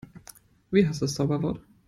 Wie heißt das Zauberwort?